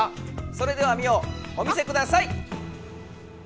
それではミオお見せください。